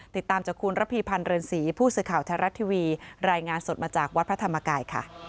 ติดตามจากคุณระพีพันธ์เรือนศรีผู้สื่อข่าวไทยรัฐทีวีรายงานสดมาจากวัดพระธรรมกายค่ะ